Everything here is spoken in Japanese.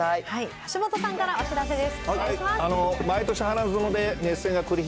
橋下さんからお知らせです。